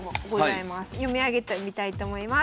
読み上げてみたいと思います。